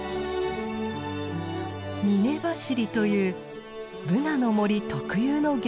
「峰走り」というブナの森特有の現象です。